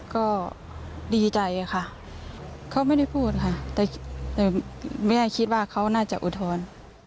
ก็ดีใจค่ะเขาไม่ได้พูดค่ะแต่แม่คิดว่าเขาน่าจะอุทธรณ์